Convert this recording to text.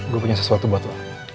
gue punya sesuatu buat lo